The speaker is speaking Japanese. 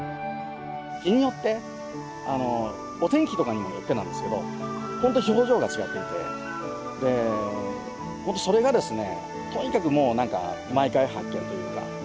日によってあのお天気とかにもよってなんですけどほんと表情が違っててでほんとそれがですねとにかくもうなんか毎回発見というか。